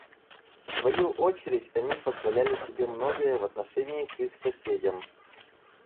В свою очередь они позволяли себе многое в отношении к их соседям.